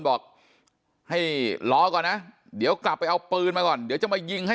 บอกให้รอก่อนนะเดี๋ยวกลับไปเอาปืนมาก่อนเดี๋ยวจะมายิงให้